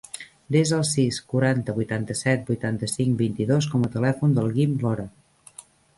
Desa el sis, quaranta, vuitanta-set, vuitanta-cinc, vint-i-dos com a telèfon del Guim Lora.